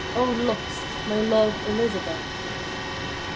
O lost! my love, Elizabeth."